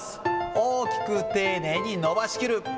大きく丁寧に伸ばしきる。